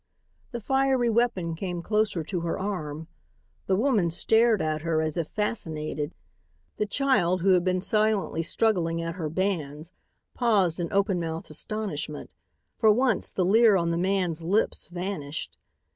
The fiery weapon came closer to her arm. The woman stared at her as if fascinated. The child, who had been silently struggling at her bands, paused in open mouthed astonishment. For once the leer on the man's lips vanished.